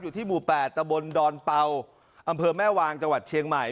อยู่ที่หมู่๘ตะบนดอนเป่าอำเภอแม่วางจังหวัดเชียงใหม่